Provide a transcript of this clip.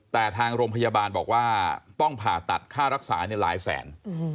แต่ทางโรงพยาบาลบอกว่าต้องผ่าตัดค่ารักษาหลายแสน